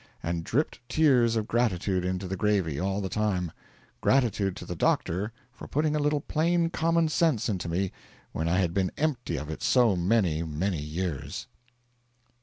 And dripped tears of gratitude into the gravy all the time gratitude to the doctor for putting a little plain common sense into me when I had been empty of it so many, many years.